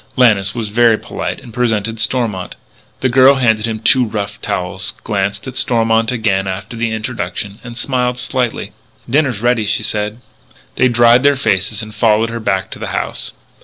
Lannis was very polite and presented Stormont. The girl handed them two rough towels, glanced at Stormont again after the introduction, smiled slightly. "Dinner is ready," she said. They dried their faces and followed her back to the house.